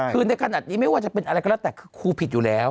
คือในขณะนี้ไม่ว่าจะเป็นอะไรก็แล้วแต่คือครูผิดอยู่แล้ว